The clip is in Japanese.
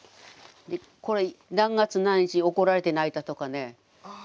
これ何月何日怒られて泣いたとかね覚えてますよ